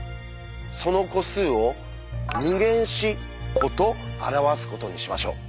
その個数を「∞自」個と表すことにしましょう。